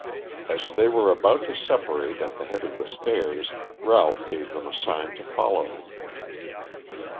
As they were about to separate at the head of the stairs Ralph gave them a sign to follow him.